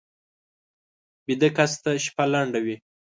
ویده کس ته شپه لنډه وي